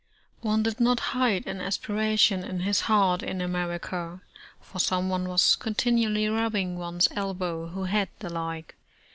' One did not hide an aspiration in his heart in America, for someone was continually rubbing one's elbow, who had the like.